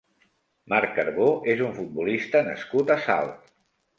Marc Carbó és un futbolista nascut a Salt.